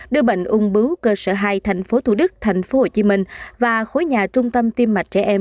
đưa bệnh ung bướu cơ sở hai tp thủ đức tp hcm và khối nhà trung tâm tiêm mạch trẻ em